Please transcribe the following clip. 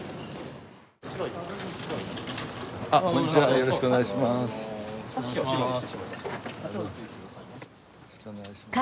よろしくお願いします